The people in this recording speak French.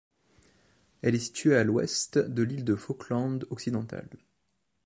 Elle est située à l'ouest de l'île de Falkland occidentale.